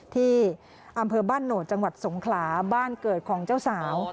ที่อำเภอบ้านโหนดจังหวัดสงขลาบ้านเกิดของเจ้าสาว